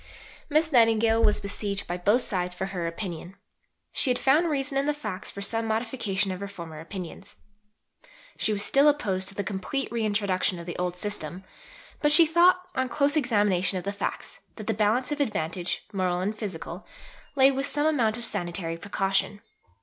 Miss Nightingale was besieged by both sides for her opinion. She had found reason in the facts for some modification of her former opinions. She was still opposed to the complete reintroduction of the old system, but she thought, on close examination of the facts, that the balance of advantage, moral and physical, lay with some amount of sanitary precaution.